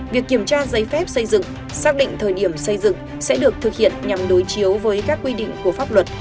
việc kiểm tra giấy phép xây dựng xác định thời điểm xây dựng sẽ được thực hiện nhằm đối chiếu với các quy định của pháp luật